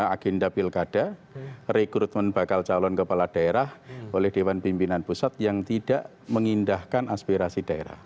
agenda pilkada rekrutmen bakal calon kepala daerah oleh dewan pimpinan pusat yang tidak mengindahkan aspirasi daerah